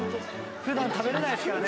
普段食べれないですからね。